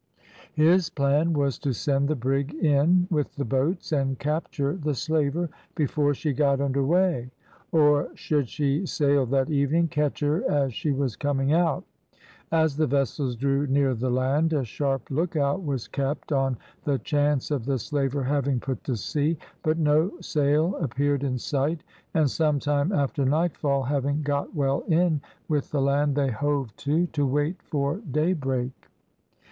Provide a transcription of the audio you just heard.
His plan was to send the brig in with the boats and capture the slaver, before she got under weigh, or, should she sail that evening, catch her as she was coming out. As the vessels drew near the land, a sharp lookout was kept, on the chance of the slaver having put to sea, but no sail appeared in sight, and some time after nightfall, having got well in with the land, they hove to, to wait for daybreak.